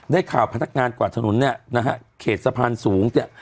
ได้ข่าวพนักงานกวาดถนนเนี่ยนะฮะเขตสะพานสูงเนี่ย